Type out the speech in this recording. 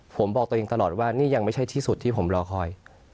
ผมบอกตัวเองตลอดว่านี่ยังไม่ใช่ที่สุดที่ผมรอคอย